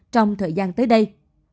trong thời gian tới đây